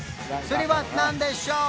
それは何でしょう？